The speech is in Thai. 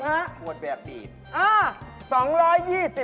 หมดแบบดี